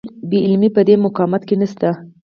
بې عملي په دې مقاومت کې نشته.